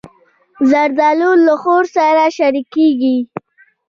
زردالو له خور سره شریکېږي.